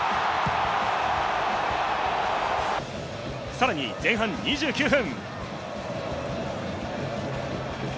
さらに前半２９分。